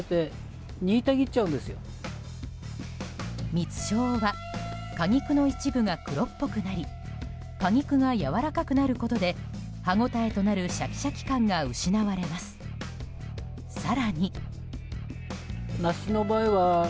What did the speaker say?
蜜症は果肉の一部が黒っぽくなり果肉がやわらかくなることで歯応えとなるシャキシャキ感が失われます、更に。